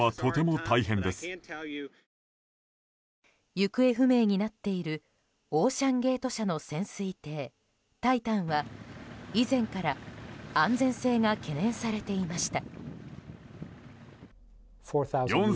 行方不明になっているオーシャンゲート社の潜水艇「タイタン」は以前から安全性が懸念されていました。